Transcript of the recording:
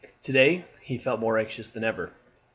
To day he felt more anxious than ever.